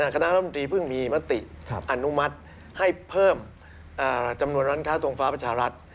คณะรัฐมนตรีเพิ่งมีมติอนุมัติให้เพิ่มจำนวนร้านค้าทรงฟ้าประชารัฐ